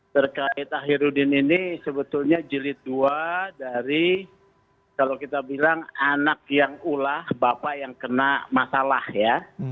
terkait ahirudin ini sebetulnya jilid dua dari kalau kita bilang anak yang ulah bapak yang kena masalah ya